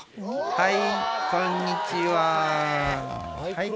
はい。